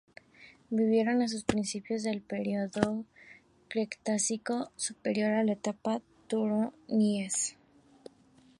Vivieron a principios del período Cretácico Superior, en la etapa del Turoniense.